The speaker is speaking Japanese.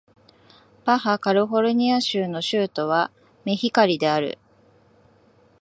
バハ・カリフォルニア州の州都はメヒカリである